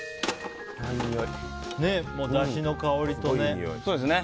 だしの香りとね。